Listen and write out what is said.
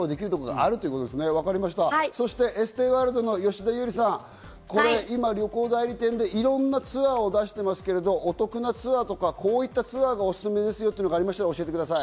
そしてエス・ティー・ワールドの吉田有李さん、旅行代理店でいろんなツアーを出していますけれども、お得なツアーとかこういったツアーがおすすめですよってありますか？